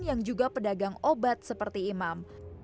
yang juga pedagang obat seperti imam